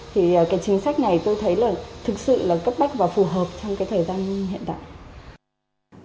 thì cái chính sách này tôi thấy là thực sự là cấp bách và phù hợp trong cái thời gian hiện tại